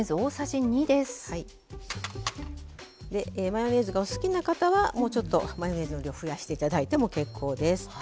マヨネーズがお好きな方はもう少しマヨネーズの量を増やしていただいても結構です。